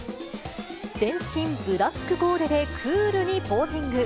全身ブラックコーデで、クールにポージング。